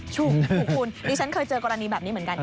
ถูกคุณดิฉันเคยเจอกรณีแบบนี้เหมือนกัน